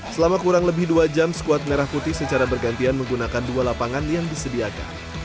selama kurang lebih dua jam skuad merah putih secara bergantian menggunakan dua lapangan yang disediakan